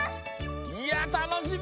いやたのしみ！